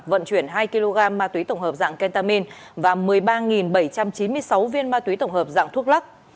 vận chuyển hai kg ma túy tổng hợp dạng kentamin và một mươi ba bảy trăm chín mươi sáu viên ma túy tổng hợp dạng thuốc lắc